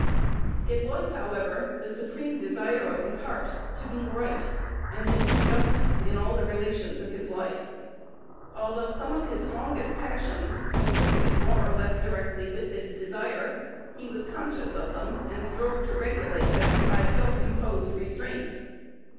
It was, however, the supreme desire of his heart to be right, and to do justice in all the relations of life. Although some of his strongest passions conflicted more or less directly with this desire, he was conscious of them, and strove to regulate them by self imposed restraints.